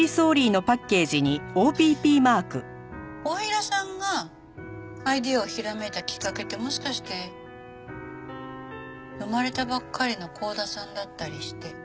太平さんがアイデアをひらめいたきっかけってもしかして生まれたばっかりの幸田さんだったりして。